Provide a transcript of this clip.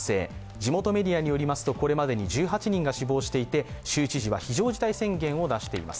地元メディアによりますとこれまでに１８人が死亡していて州知事は非常事態宣言を出しています。